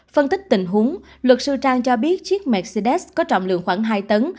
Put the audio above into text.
phân tích tình huống luật sư trang cho biết chiếc mercedes có trọng lượng khoảng hai tấn